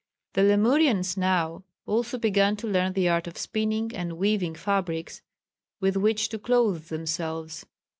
The Lemurians now also began to learn the art of spinning and weaving fabrics with which to clothe themselves.